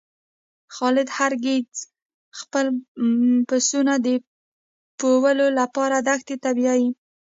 خالد هر ګیځ خپل پسونه د پوولو لپاره دښتی ته بیایی.